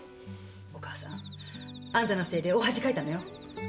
お母さんあんたのせいで大恥かいたのよ。